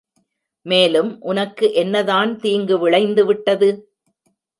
மேலும் உனக்கு என்னதான் தீங்கு விளைந்து விட்டது?